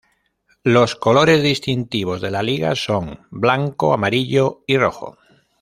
Los colores distintivos de la Liga son blanco, amarillo y rojo.